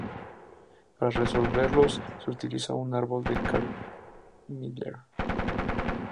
Para resolverlos se utiliza un árbol de Karp-Miller.